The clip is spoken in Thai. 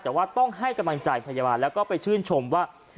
แต่ว่าต้องให้กำลังใจพยาบาลแล้วก็ไปชื่นชมว่า